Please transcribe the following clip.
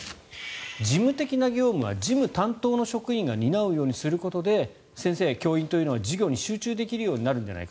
事務的な業務は事務担当の職員が担うようにすることで先生、教員というは授業に集中できるようになるんじゃないか。